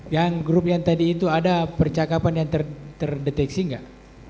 yang grup yang tadi itu ada percakapan yang terdeteksi nggak